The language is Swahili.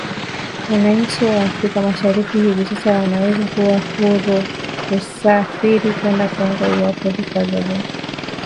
Wananchi wa Afrika Mashariki hivi sasa wanaweza kuwa huru kusafiri kwenda Kongo iwapo vikwazo vya kusafiri na biashara kama vile dola hamsini ya viza vimeondolewa